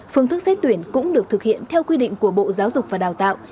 phương thức xét tuyển cũng được thực hiện theo quy định của bộ giáo dục và đào tạo